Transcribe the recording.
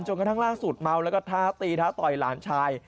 กระทั่งล่าสุดเมาแล้วก็ท้าตีท้าต่อยหลานชาย